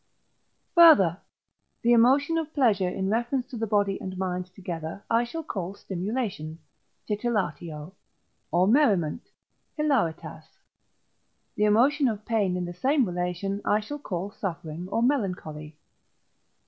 Further, the emotion of pleasure in reference to the body and mind together I shall call stimulation (titillatio) or merriment (hilaritas), the emotion of pain in the same relation I shall call suffering or melancholy.